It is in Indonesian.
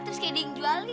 terus candy yang jualin